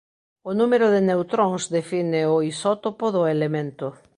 O número de neutróns define o isótopo do elemento.